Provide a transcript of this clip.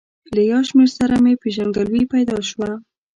له یو شمېر سره مې پېژندګلوي پیدا شوه.